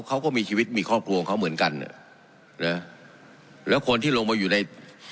เขาก็มีชีวิตมีครอบครัวของเขาเหมือนกันอ่ะนะแล้วคนที่ลงมาอยู่ใน